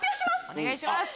お願いします。